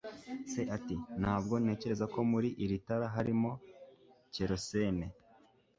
se ati 'ntabwo ntekereza ko muri iri tara harimo kerosene